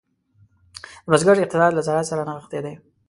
د بزګر اقتصاد له زراعت سره نغښتی دی.